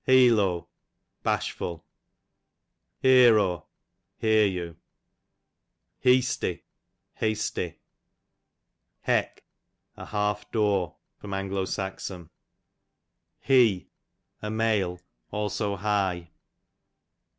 Healo, bashful. Hearo, hear you. Heasty, hasty. Heck, a half door. A. S. w Hee, a male; also high.